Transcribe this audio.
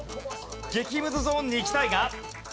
激ムズゾーンに行きたいが。